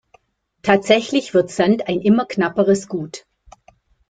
Tatsächlich wird Sand ein immer knapperes Gut.